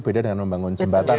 beda dengan membangun jembatan